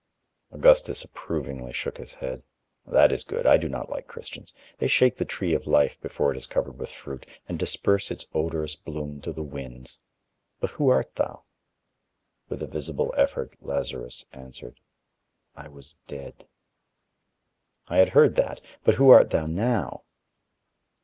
Augustus approvingly shook his head. "That is good. I do not like Christians. They shake the tree of life before it is covered with fruit, and disperse its odorous bloom to the winds. But who art thou?" With a visible effort Lazarus answered: "I was dead." "I had heard that. But who art thou now?"